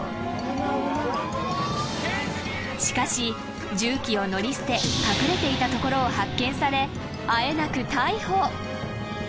［しかし重機を乗り捨て隠れていたところを発見されあえなく逮捕］